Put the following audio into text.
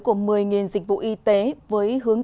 của một mươi dịch vụ y tế với hướng